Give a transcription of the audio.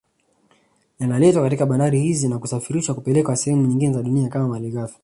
Yanaletwa katika bandari hizi na kusafirishwa kupelekwa sehemu nyingine za dunia kama malighafi